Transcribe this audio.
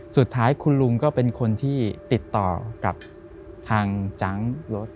สุดท้ายคุณลุงก็เป็นคนที่ติดต่อกับทางจังรถ